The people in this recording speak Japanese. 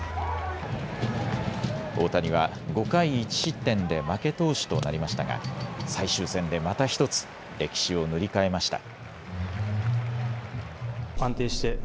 大谷は５回１失点で負け投手となりましたが最終戦でまた１つ歴史を塗り替えました。